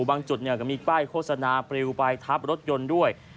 บางจุดก็มีป้ายโฆษณาปริวไปทับรถยนต์ด้วย